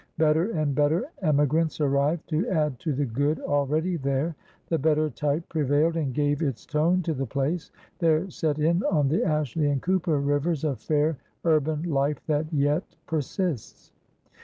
Better and better emigrants arrived, to add to the good already there. The better type pre vailed, and gave its tone to the place. There set in, on the Ashley and Cooper rivers, a fair urban life that yet persists.